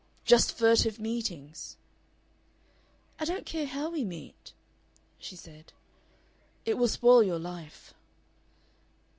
just furtive meetings." "I don't care how we meet," she said. "It will spoil your life."